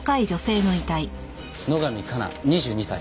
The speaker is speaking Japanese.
野上加奈２２歳。